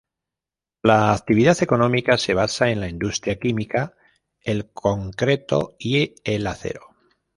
La actividad económica se basa en la industria química, el concreto y el acero.